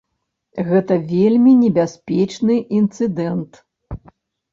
Гэта вельмі небяспечны інцыдэнт.